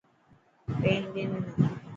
پين ڏي منا.